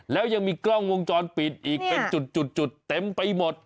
แล้วยังมีกล้องวงจรปิดอีกเป็นจุดเต็มไปหมด